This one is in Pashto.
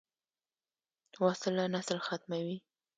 وسله نسل ختموي